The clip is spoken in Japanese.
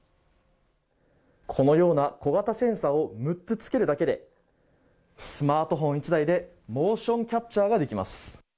このような小型センサーを６つ付けるだけでスマートフォン１台でモーションキャプチャーができます。